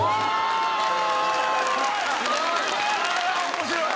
面白い。